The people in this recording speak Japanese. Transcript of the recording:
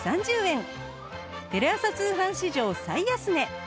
テレ朝通販史上最安値！